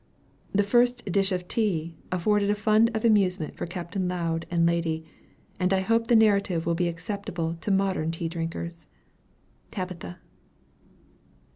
The first dish of tea afforded a fund of amusement for Capt. Lowd and lady, and I hope the narrative will be acceptable to modern tea drinkers. TABITHA.